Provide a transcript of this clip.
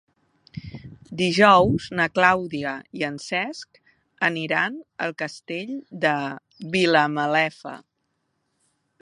Dijous na Clàudia i en Cesc aniran al Castell de Vilamalefa.